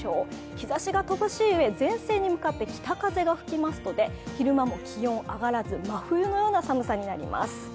日ざしが乏しいうえ、前線に向かって北風が吹きますので昼間も気温、上がらず、真冬のような寒さになります。